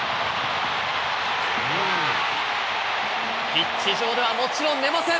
ピッチ上ではもちろん、寝ません！